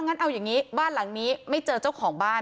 งั้นเอาอย่างนี้บ้านหลังนี้ไม่เจอเจ้าของบ้าน